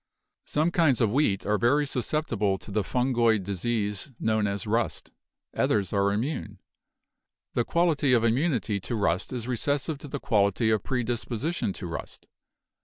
Some kinds of wheat are very susceptible to the fun goid disease known as 'rust' ; others are immune. The quality of immunity to rust is recessive to the quality of predisposition to rust.